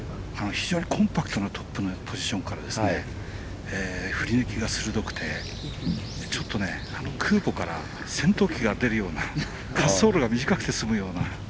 非常にコンパクトなトップのポジションから振り抜きが鋭くてちょっと、空母から戦闘機が出るような滑走路が短くて済むような。